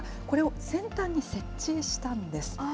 これを先端に設置したんです。